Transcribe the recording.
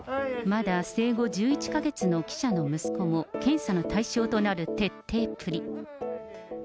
まだ生後１１か月の記者の息子も検査の対象となる徹底っぷり。